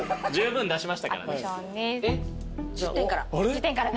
１０点から？